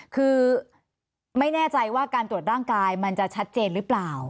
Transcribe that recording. คือไม่แน่ใจว่าการตรวจร่างกายมันจะชัดเจนหรือเปล่า